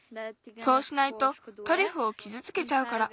そうしないとトリュフをきずつけちゃうから。